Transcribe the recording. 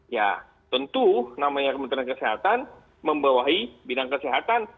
ya tentu namanya kementerian kesehatan membawahi bidang kesehatan